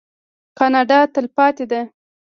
کاناډا تلپاتې ده.